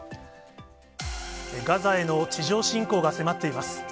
ガザへの地上侵攻が迫っています。